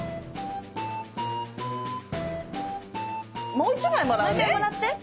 もう１回もらって。